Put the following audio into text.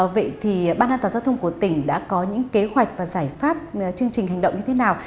vậy thì ban an toàn giao thông của tỉnh đã có những kế hoạch và giải pháp chương trình hành động như thế nào